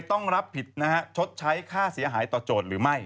ขณะตอนอยู่ในสารนั้นไม่ได้พูดคุยกับครูปรีชาเลย